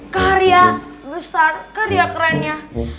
karya besar karya kerennya